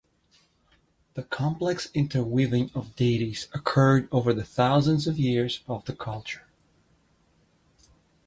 The complex interweaving of deities occurred over the thousands of years of the culture.